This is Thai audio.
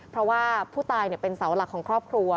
เพราะว่าผู้ตายเป็นเสาหลักของครอบครัว